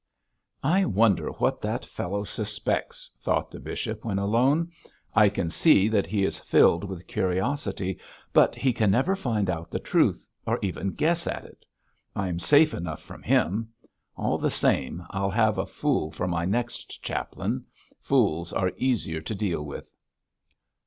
'I wonder what the fellow suspects,' thought the bishop when alone. 'I can see that he is filled with curiosity, but he can never find out the truth, or even guess at it. I am safe enough from him. All the same, I'll have a fool for my next chaplain. Fools are easier to deal with.'